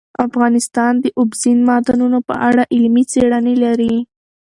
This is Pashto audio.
افغانستان د اوبزین معدنونه په اړه علمي څېړنې لري.